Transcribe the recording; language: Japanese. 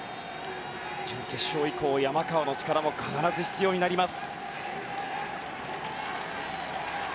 準決勝以降、山川の力も必ず必要になります。